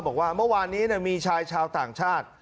บอกว่าเมื่อวานนี้มีชายชาวต่างชาติ